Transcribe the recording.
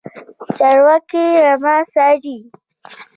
چرواکی رمه څاري.